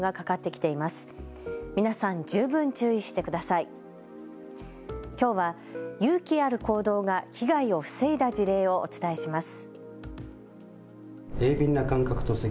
きょうは勇気ある行動が被害を防いだ事例をお伝えします。